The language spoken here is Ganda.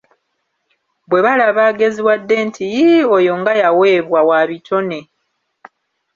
Bwe balaba ageziwadde nti: Iiii, oyo nga yaweebwa, wa bitone!